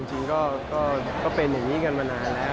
จริงก็เป็นอย่างนี้กันมานานแล้ว